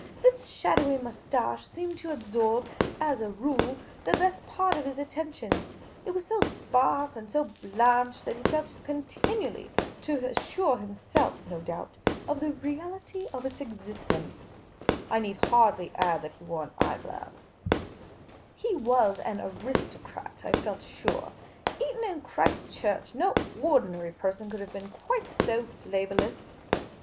This shadowy moustache seemed to absorb, as a rule, the best part of his attention ; it was so sparse and so blanched that he felt it continually— to assure himself, no doubt, of the reality of its existence. I need hardly add that he wore an eye glass. »4 AN ODD LOOKING YOUNG MAN, 2IO Miss Cayley's Adventures He was an aristocrat, I felt sure ; Rton and Christ Church; no ordinary person could have been quite so flavourless.